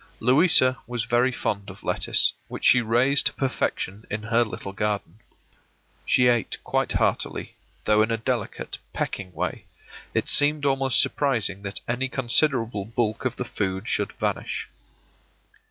Louisa was very fond of lettuce, which she raised to perfection in her little garden. She ate quite heartily, though in a delicate, pecking way; it seemed almost surprising that any considerable bulk of the food should vanish.